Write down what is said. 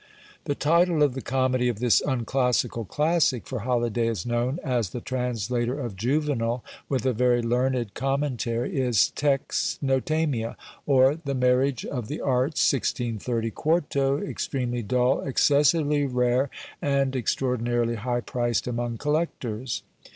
The title of the comedy of this unclassical classic, for Holyday is known as the translator of Juvenal with a very learned commentary, is TEXNOTAMIA, or the Marriage of the Arts, 1630, quarto; extremely dull, excessively rare, and extraordinarily high priced among collectors.